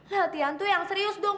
latihan tuh yang serius dong